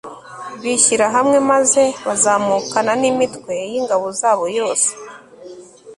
bishyira hamwe maze bazamukana n'imitwe y'ingabo zabo yose